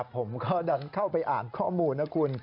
ผมก็ดันเข้าไปอ่านข้อมูลนะคุณ